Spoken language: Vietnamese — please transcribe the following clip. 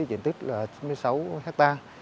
với diện tích là chín mươi sáu hectare